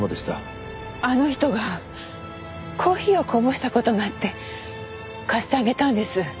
あの人がコーヒーをこぼした事があって貸してあげたんです。